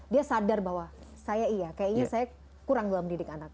dia sadar bahwa saya iya kayaknya saya kurang dalam didik anak